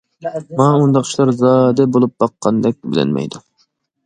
ماڭا ئۇنداق ئىشلار زادى بولۇپ باققاندەك بىلىنمەيدۇ.